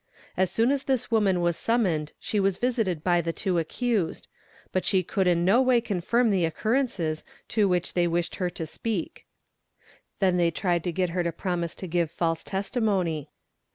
As soon as this woman was summoned she was visited by the two accused; but she could in no way confirm the occurrences to. which they wished her to speak; then they tried to get her to promise to give false testimony.